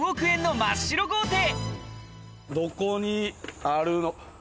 どこにあるの。